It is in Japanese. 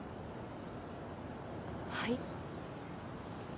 はい？